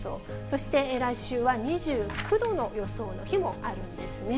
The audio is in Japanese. そして来週は２９度の予想の日もあるんですね。